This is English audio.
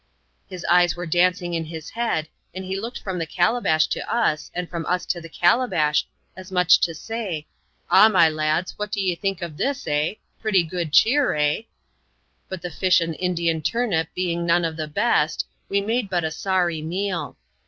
His eyes were dancing in his head, and he looked firom the calabash to us, and from us to the calabash, as much as to say, ^* Ah, my lads, what do ye think of this, eh? Pretty good cheer, eh? But the fish and Indian turnip being none of the best, we made but a sorry meal.